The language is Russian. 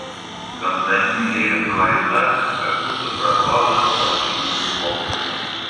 Константин Левин говорил так, как будто прорвало плотину его слов.